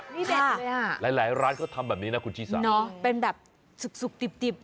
นี่เด็ดเลยอ่ะหลายหลายร้านเขาทำแบบนี้นะคุณชิสาเนอะเป็นแบบสุกดิบดิบ